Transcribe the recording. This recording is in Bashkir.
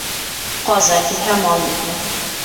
Ҡаза килһә, мал етмәҫ.